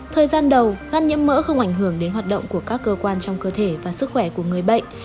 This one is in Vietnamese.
thời gian đầu khăn nhiễm mỡ không ảnh hưởng đến hoạt động của các cơ quan trong cơ thể và sức khỏe của người bệnh